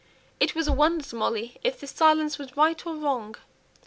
It was a wonder to Molly whether this silence was right or wrong.